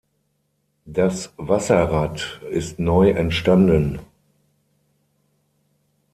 Das Wasserrad ist neu entstanden.